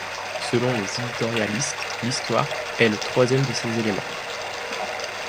Selon les éditorialistes, l'histoire est le troisième de ces éléments.